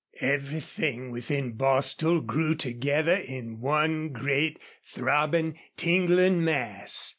Everything within Bostil grew together in one great, throbbing, tingling mass.